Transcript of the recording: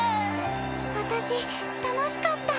私楽しかった。